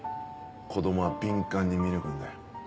子供は敏感に見抜くんだよ。